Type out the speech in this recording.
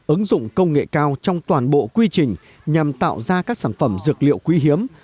ứng dụng công nghệ cao trong toàn bộ quy trình nhằm tạo ra các sản phẩm dược liệu quý hiếm